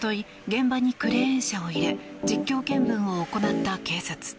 現場にクレーン車を入れ実況見分を行った警察。